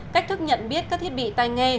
cách thức nhận biết các thiết bị tai nghe